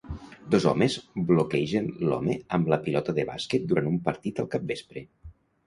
Dos homes bloquegen l'home amb la pilota de bàsquet durant un partit al capvespre.